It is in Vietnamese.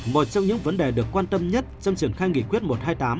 một trong những vấn đề được quan tâm nhất trong triển khai nghị quyết một trăm hai mươi tám